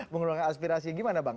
mengenai aspirasi gimana bang